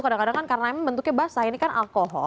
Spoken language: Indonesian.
kadang kadang kan karena emang bentuknya basah ini kan alkohol